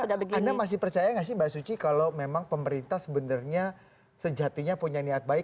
anda masih percaya nggak sih mbak suci kalau memang pemerintah sebenarnya sejatinya punya niat baik